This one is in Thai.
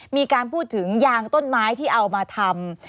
มีการพูดถึงยางต้นไม้ที่เอามาทำ